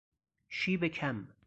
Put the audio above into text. شیب کم